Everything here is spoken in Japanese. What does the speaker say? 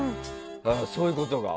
そういうことが。